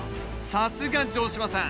さすが城島さん！